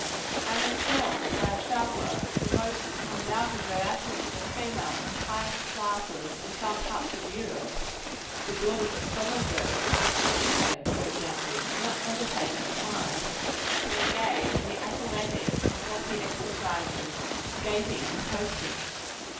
I am informed by a traveller of the most undoubted veracity, that females of the highest classes, in some parts of Europe the daughters of Fellenberg, the Swiss educator, for example do not hesitate, at times, to engage in the athletic and healthy exercises of skating and coasting.